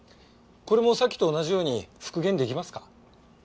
これもさっきと同じように復元できますか？